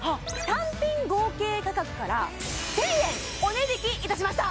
単品合計価格から１０００円お値引きいたしました